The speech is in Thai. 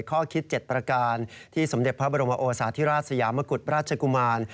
ข้อคิด๗ประการที่สมเด็จพระบรมโอสาธิราชสยามกุฎราชกุมาร